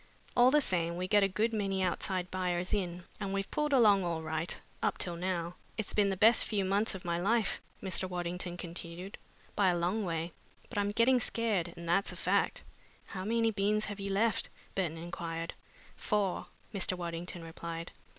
All the same, we get a good many outside buyers in, and we've pulled along all right up till now. It's been the best few months of my life," Mr. Waddington continued, "by a long way, but I'm getting scared, and that's a fact." "How many beans have you left?" Burton inquired. "Four," Mr. Waddington replied.